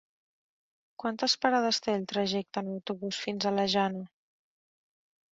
Quantes parades té el trajecte en autobús fins a la Jana?